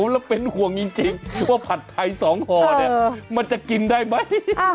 แล้วเป็นห่วงจริงว่าผัดไทย๒ห่อเนี่ยมันจะกินได้ไหม